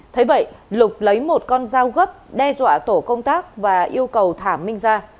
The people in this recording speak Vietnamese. thế vậy lộc lấy một con dao gấp đe dọa tổ công tác và yêu cầu thả minh ra